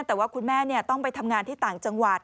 แต่ว่าคุณแม่ต้องไปทำงานที่ต่างจังหวัด